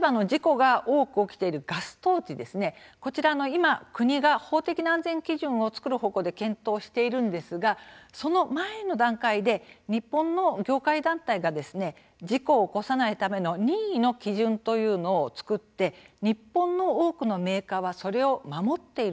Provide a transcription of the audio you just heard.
今、国が法的な安全基準を作る方向で検討しているんですがその前の段階で日本の業界団体が事故を起こさないための任意の基準というのを作って日本の多くのメーカーはそれを守っているというんですね。